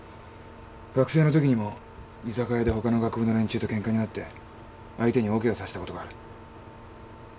学生のときにも居酒屋でほかの学部の連中とケンカになって相手に大ケガさせたことがある。